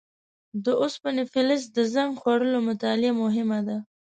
د اوسپنې فلز د زنګ خوړلو مطالعه مهمه ده.